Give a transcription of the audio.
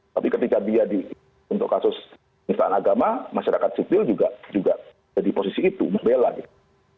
tapi ketika dia untuk kasus penistaan agama masyarakat sipil juga jadi posisi itu membela gitu